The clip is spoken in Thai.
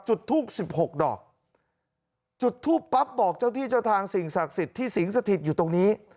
จุดทูบ๑๖ดอกจุดทูปปั๊บบอกเจ้าที่เจ้าทางสิ่งศักดิ์สิทธิ์ที่สิงสถิตอยู่ตรงนี้